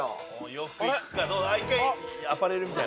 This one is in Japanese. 洋服いくか？